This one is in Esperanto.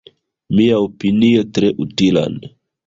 Miaopinie tre utilan.